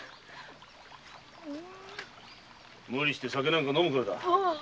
無理して酒なんか飲むからだ。